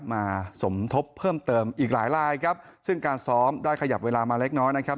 มาสมทบเพิ่มเติมอีกหลายลายครับซึ่งการซ้อมได้ขยับเวลามาเล็กน้อยนะครับ